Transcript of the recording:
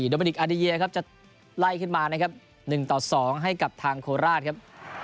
โดมันดิกอาเดเยียจะไล่ขึ้นมา๑๒ให้กับทางครราชครับ